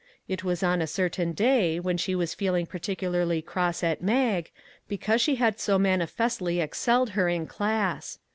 This was on a certain day when she was feel ing particularly cross at Mag because she had so manifestly excelled her in class.